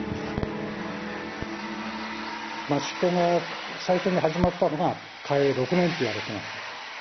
益子が最初に始まったのが嘉永６年といわれています